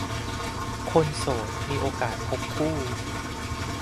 คนโสดมีโอกาสพบคู่